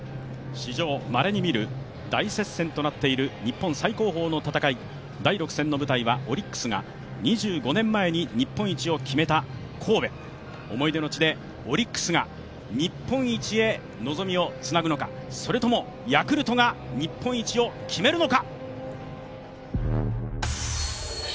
史上まれに見る大接戦となっている日本最高峰の戦い、第６戦の舞台はオリックスが２５年前に日本一を決めた神戸、思い出の地でオリックスが日本一へ望みをつなぐのかそれとも、ヤクルトが日本一を決めるのか。